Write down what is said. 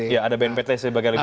ya ada bnpt sebagai sektornya ya